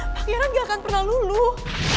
pangeran gak akan pernah luluh